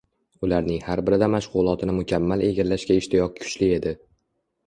Ularning har birida mashg‘ulotini mukammal egallashga ishtiyoq kuchli edi.